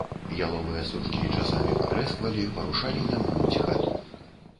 Яловыя сучкі часамі патрэсквалі, парушалі нямую ціхату.